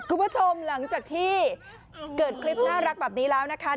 คุณผู้ชมหลังจากที่เกิดคลิปน่ารักแบบนี้แล้วนะคะ